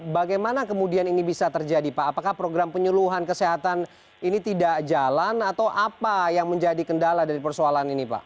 bagaimana kemudian ini bisa terjadi pak apakah program penyeluhan kesehatan ini tidak jalan atau apa yang menjadi kendala dari persoalan ini pak